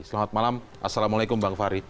selamat malam assalamualaikum bang fahri